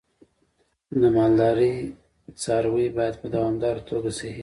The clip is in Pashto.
د مالدارۍ څاروی باید په دوامداره توګه صحي وي.